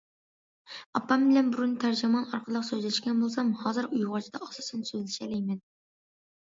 ئاپام بىلەن بۇرۇن تەرجىمان ئارقىلىق سۆزلەشكەن بولسام، ھازىر ئۇيغۇرچىدا ئاساسەن سۆزلىشەلەيمەن.